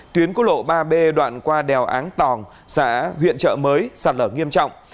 tuyến cú lộ ba b đoạn qua đèo áng tòng xã huyện trợ mới sạt lở nghiêm trọng